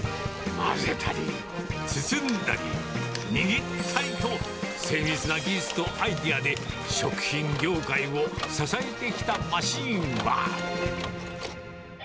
混ぜたり、包んだり、握ったりと、精密な技術とアイデアで食品業界を支えてきたマシンは。